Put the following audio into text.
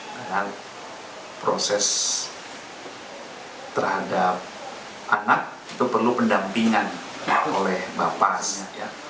karena proses terhadap anak itu perlu pendampingan oleh bapak